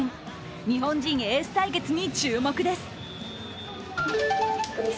日本人エース対決に注目です。